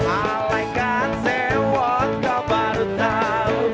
alaikan sewa kau baru tahu